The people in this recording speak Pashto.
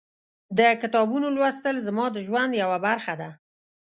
د کتابونو لوستل زما د ژوند یوه برخه ده.